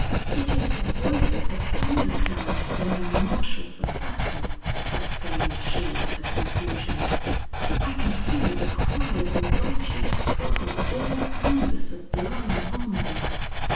"It is the voice of the thunder clouds when they marshal for battle!" exclaimed she at the conclusion. "I can hear the cry of a righteous struggle all through the sublime harmony."